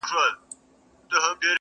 • چي خدای څومره پیدا کړی یم غښتلی -